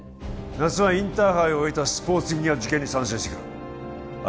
夏はインターハイを終えたスポーツ組が受験に参戦してくるあ